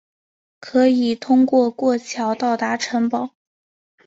可以通过过桥到达城堡。